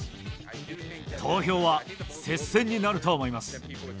投票は接戦になると思います。